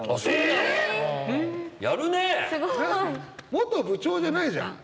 元部長じゃないじゃん。